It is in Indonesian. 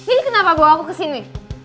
dad ini kenapa bawa aku kesini